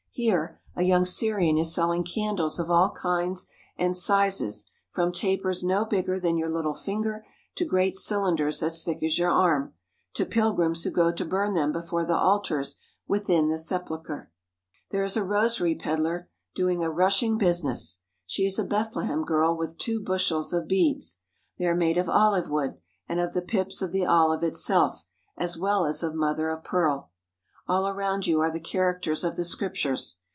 Here a young Syrian is selling 8 7 THE HOLY LAND AND SYRIA candles of all kinds and sizes, from tapers no bigger than your little finger to great cylinders as thick as your arm, to pilgrims who go to burn them before the altars within the sepulchre. There is a rosary pedlar doing a rushing business. She is a Bethlehem girl with two bushels of beads. They are made of olive wood and of the pips of the olive itself, as well as of mother of pearl. All around you are the characters of the Scriptures.